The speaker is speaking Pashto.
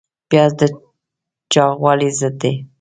پیاز د چاغوالي ضد دی